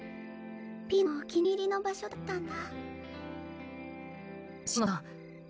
ピィのお気に入りの場所だったんだ。